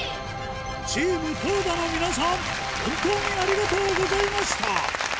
チームＴＯＹＯＤＡの皆さん本当にありがとうございました